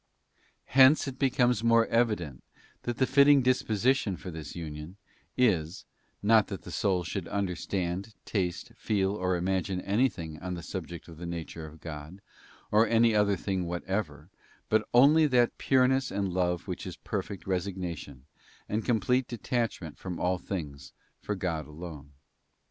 Hence it becomes more evident that the fitting disposition Dispositions for union ; Purity of for this union is, not that the soul should understand, taste, Purity of feel, or imagine anything on the subject of the nature of God, or any other thing whatever, but only that pureness and love which is perfect resignation, and complete detach ment from all things for God alone.